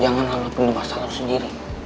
jangan lalu penuh masalah sendiri